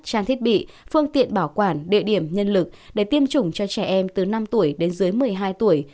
trang thiết bị phương tiện bảo quản địa điểm nhân lực để tiêm chủng cho trẻ em từ năm tuổi đến dưới một mươi hai tuổi